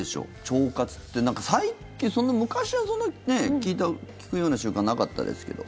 腸活って最近昔はそんな聞くような習慣なかったですけど。